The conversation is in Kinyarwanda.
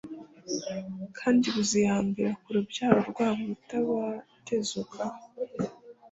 kandi buzihambira ku rubyaro rwabo ubutabatezukaho